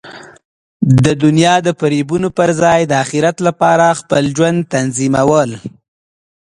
د دنیا د فریبونو پر ځای د اخرت لپاره خپل ژوند تنظیمول.